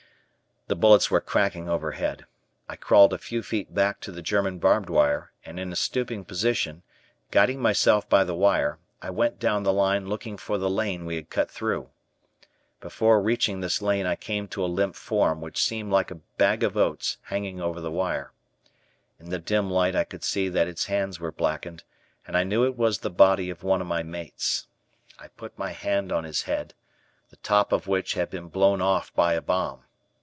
The bullets were cracking overhead. I crawled a few feet back to the German barbed wire, and in a stooping position, guiding myself by the wire, I went down the line looking for the lane we had cut through. Before reaching this lane I came to a limp form which seemed like a bag of oats hanging over the wire. In the dim light I could see that its hands were blackened, and knew it was the body of one of my mates. I put my hand on his head, the top of which had been blown off by a bomb.